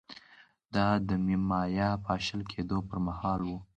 دا د مایا پاشل کېدو پرمهال و